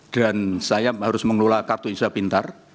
dan saya harus mengelola kartu insya pintar